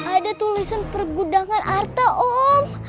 ada tulisan pergudangan arte om